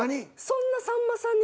「そんなさんまさんに」？